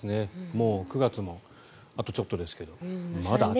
もう９月もあとちょっとですがまだ暑い。